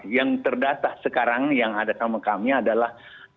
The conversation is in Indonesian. yang terdata sekarang yang ada sama kami adalah enam puluh tujuh